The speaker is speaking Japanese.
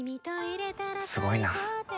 すごいな。